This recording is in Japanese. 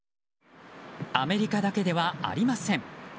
アメリカだけではありません。